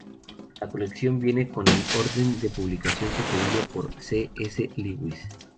La colección viene con el orden de publicación sugerido por C. S. Lewis.